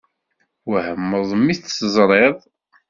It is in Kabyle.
Twehmeḍ mi tt-teẓṛiḍ?